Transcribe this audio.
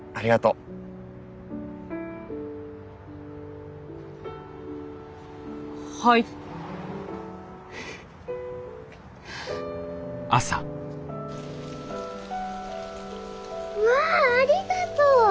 うわありがとう！